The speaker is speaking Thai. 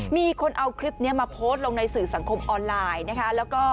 มีคนเอาคลิปนี้มาโพสต์ลงในสื่อสังคมออนไลน์นะคะ